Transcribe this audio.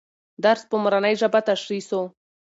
درس په مورنۍ ژبه تشریح سو.